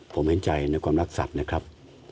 ผมเห็นใจในความรักสัตว์นะครับ